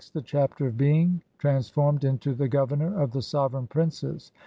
Text : (1) The Chapter of being transformed into thk GOVERNOR OF THE SOVEREIGN PRINCES.